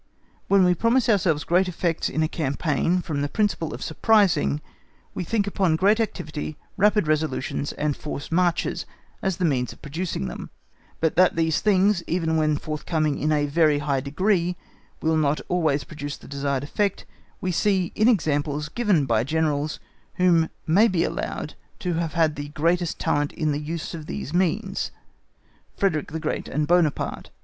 When we promise ourselves great effects in a campaign from the principle of surprising, we think upon great activity, rapid resolutions, and forced marches, as the means of producing them; but that these things, even when forthcoming in a very high degree, will not always produce the desired effect, we see in examples given by Generals, who may be allowed to have had the greatest talent in the use of these means, Frederick the Great and Buonaparte.